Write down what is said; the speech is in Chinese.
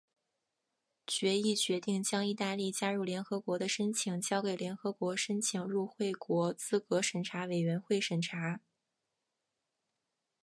决议决定将意大利加入联合国的申请交给联合国申请入会国资格审查委员会审查。